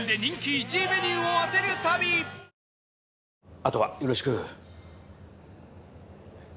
あとはよろしく。